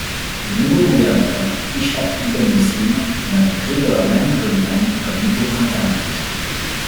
Le nouveau gouverneur, Ichak ibn-Moslim, nomme Grigor Mamikonian comme nouveau prince d'Arménie.